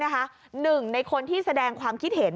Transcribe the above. หนึ่งในคนที่แสดงความคิดเห็น